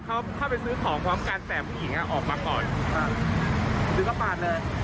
เขาเข้าไปซื้อของความการแสบผู้หญิงอ่ะออกมาก่อนอ่าซื้อก็ปากเลย